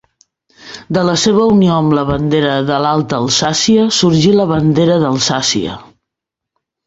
De la seva unió amb la bandera de l'Alta Alsàcia sorgí la bandera d'Alsàcia.